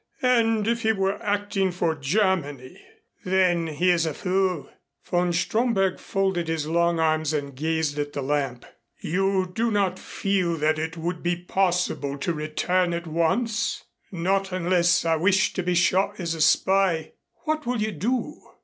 "And if he were acting for Germany?" "Then he is a fool." Von Stromberg folded his long arms and gazed at the lamp. "You do not feel that it would be possible to return at once?" "Not unless I wished to be shot as a spy." "What will you do?"